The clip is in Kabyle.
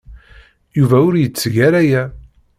Yuba ur yetteg ara aya.